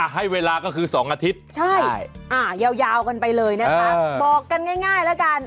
ให้เวลาก็คือ๒อาทิตย์ยาวกันไปเลยนะคะบอกกันง่ายแล้วกัน